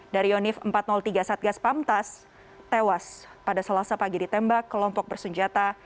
dari yonif empat ratus tiga satgas pamtas tewas pada selasa pagi ditembak kelompok bersenjata